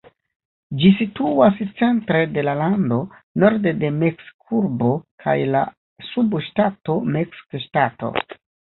Ĝi situas centre de la lando, norde de Meksikurbo kaj la subŝtato Meksikŝtato.